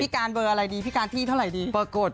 พี่การเบอร์อะไรดีพี่การที่เท่าไหร่ดี